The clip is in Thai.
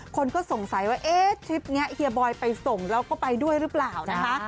คนก็สงสัยว่าเอ๊ะทริปนี้เฮียบอยไปส่งแล้วก็ไปด้วยหรือเปล่านะคะ